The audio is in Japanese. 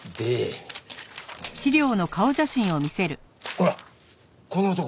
ほらこの男。